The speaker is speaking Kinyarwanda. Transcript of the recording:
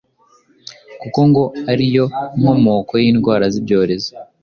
kuko ngo ari yo nkomoko y’indwara z’ibyorezo,